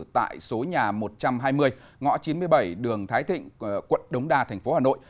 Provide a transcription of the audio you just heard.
tại số nhà một trăm hai mươi ngõ chín mươi bảy đường thái thịnh quận đống đa thành phố hà nội